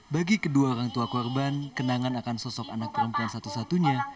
bagi kedua orang tua korban kenangan akan sosok anak perempuan satu satunya